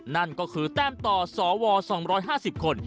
นั่นก็คือแต้มต่อสว๒๕๐คน